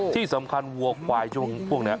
ที่สำคัญวัวควายช่วงนี้